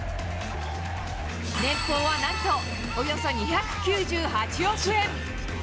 年俸はなんと、およそ２９８億円。